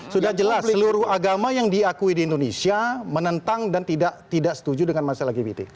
sudah jelas seluruh agama yang diakui di indonesia menentang dan tidak setuju dengan masalah gbt